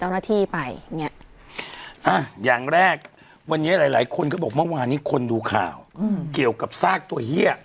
หลายหลายคนก็บอกเมื่อวานนี้คนดูข่าวอืมเกี่ยวกับซากตัวเฮี้ย